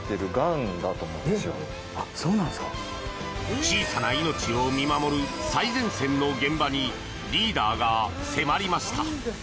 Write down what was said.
小さな命を見守る最前線の現場にリーダーが迫りました！